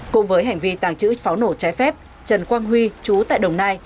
cùng với hành vi tàng trữ pháo nổ trái phép trần quang huy chú tại đồng nai